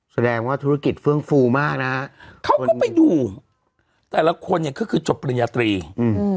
แสดงว่าธุรกิจเฟื่องฟูมากนะฮะเขาก็ไปดูแต่ละคนเนี่ยก็คือจบปริญญาตรีอืม